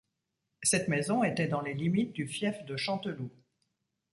Cette maison était dans les limites du fief de Chanteloup.